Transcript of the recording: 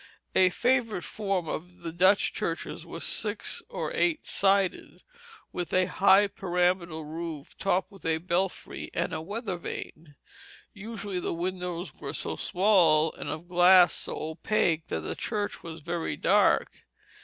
A favorite form of the Dutch churches was six or eight sided, with a high pyramidal roof, topped with a belfry and a weather vane. Usually the windows were so small and of glass so opaque that the church was very dark.